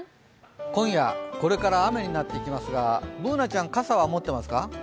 今夜、これから雨になっていきますが、Ｂｏｏｎａちゃん、傘は持ってますか？